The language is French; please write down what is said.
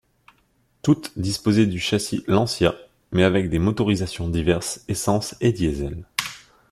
Toutes disposaient du châssis Lancia, mais avec des motorisations diverses, essence et diesel.